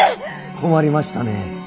困りましたね。